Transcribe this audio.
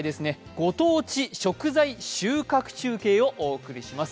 ご当地食材収穫中継をお送りします。